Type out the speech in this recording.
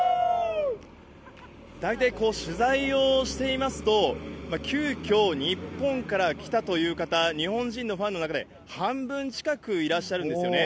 大体取材をしていますと、急きょ、日本から来たという方、日本人のファンの中で半分近くいらっしゃるんですよね。